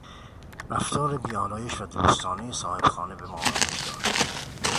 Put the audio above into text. رفتار بی آلایش و دوستانهی صاحبخانه به ما آرامش داد.